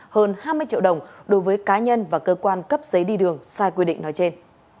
hơn hai mươi triệu đồng đối với cá nhân và cơ quan cấp giấy đi đường sai quy định nói trên